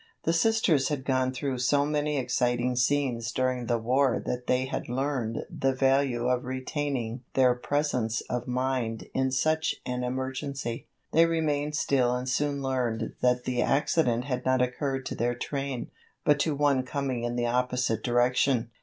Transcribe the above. The Sisters had gone through so many exciting scenes during the war that they had learned the value of retaining their presence of mind in such an emergency. They remained still and soon learned that the accident had not occurred to their train, but to one coming in the opposite direction.